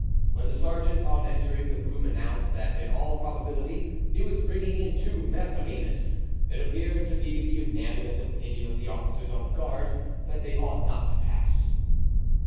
When the sergeant on entering the room announced that in all probability he was bringing in two Mazarinists, it appeared to be the unanimous opinion of the officers on guard that they ought not to pass.